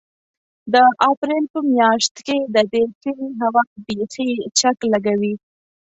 د اپرېل په مياشت کې د دې سيمې هوا بيخي چک لګوي.